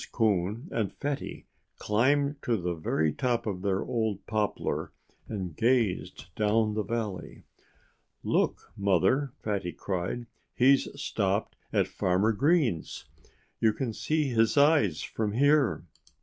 Coon and Fatty climbed to the very top of their old poplar and gazed down the valley. "Look, Mother!" Fatty cried. "He's stopped at Farmer Green's! You can see his eyes from here!"